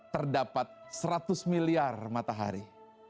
terdapat seratus miliar matahari